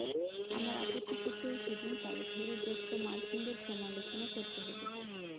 আমার আপত্তি সত্ত্বেও সেদিন তারা ধরে বসল মার্কিনদের সমালোচনা করতে হবে।